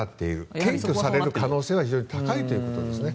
検挙される可能性が非常に高いということですね。